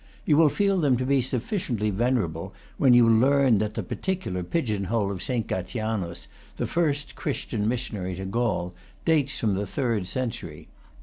You will feel them to be sufficiently venerable when you learn that the particular pigeon hole of Saint Gatianus, the first Christian missionary to Gaul, dates from the third century.